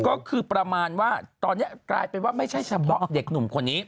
ก็คือประมาณว่าตอนนี้กลายเป็นว่าไม่ใช่เฉพาะเด็กหนุ่มคนนี้